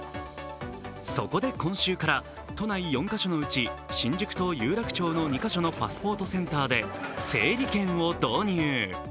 そこで今週から、都内４か所のうち新宿と有楽町の２か所のパスポートセンターで整理券を導入。